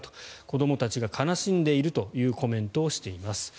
子どもたちが悲しんでいるというコメントをしています。